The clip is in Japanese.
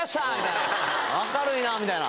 明るいな！みたいな。